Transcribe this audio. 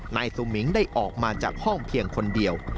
นายสุมิงได้ออกมาจากห้องเพียงคนเดียว